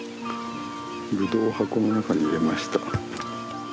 ブドウを箱の中に入れました。